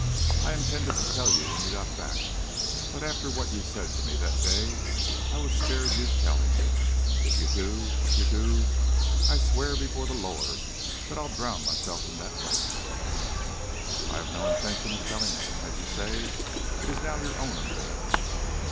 I intended to tell you when you got back, but after what you said to me that day I was scared you'd tell him. If you do if you do I swear before the Lord that I'll drown myself in that lake " "I have no intention of telling him. As you say, it is now your own affair."